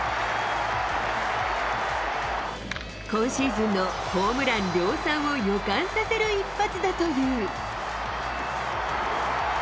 今シーズンのホームラン量産を予感させる一発だという。